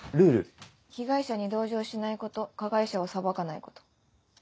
被害者に同情しないこと加害者を裁かないこと。